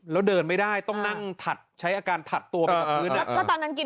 แล้วเดินไม่ได้ต้องนั่งถัดใช้อาการถัดตัวไปกับพื้นนะ